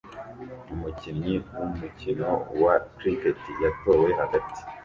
Umukinnyi wumukino wa Cricket yatowe hagati